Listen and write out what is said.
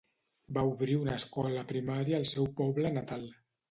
Va obrir una escola primària al seu poble natal.